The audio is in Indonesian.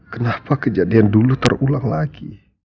kenapa kejadian dulu terulang lagi